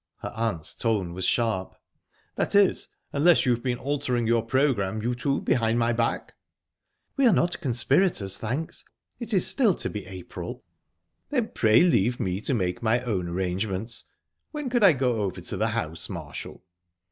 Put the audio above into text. Her aunt's tone was sharp. "That is, unless you've been altering your programme, you two, behind my back?" "We're not conspirators, thanks. It's still to be April." "Then pray leave me to make my own arrangements. When could I go over to the house, Marshall?"